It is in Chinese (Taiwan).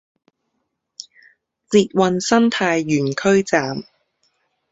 捷運生態園區站